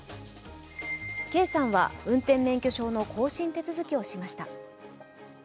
圭さんは運転免許証の更新手続きをしました。